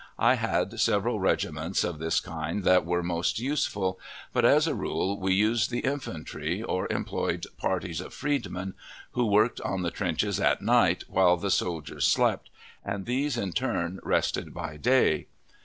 I had several regiments of this kind that were most useful, but as a rule we used the infantry, or employed parties of freedmen, who worked on the trenches at night while the soldiers slept, and these in turn rested by day.